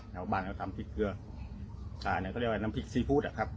แถวบ้านเราทำพริกเกลืออ่าเนี้ยเขาเรียกว่าน้ำพริกซีฟู้ดอะครับ